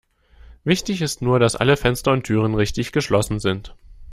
Wichtig ist nur, dass alle Fenster und Türen richtig geschlossen sind.